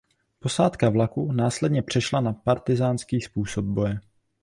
Posádka vlaku následně přešla na partyzánský způsob boje.